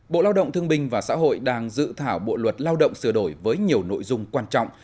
bộ lao động thương binh và xã hội đang dự thảo bộ luật lao động sửa đổi với nhiều nội dung quan trọng